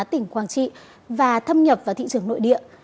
tỉnh quảng trị và thâm nhập vào thị trường nội địa